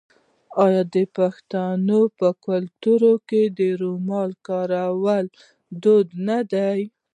آیا د پښتنو په کلتور کې د رومال کارول دود نه دی؟